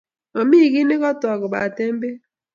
Mamie kiy ne katog kobatee peek